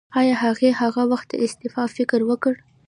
ایا هغې هغه وخت د استعفا فکر وکړ؟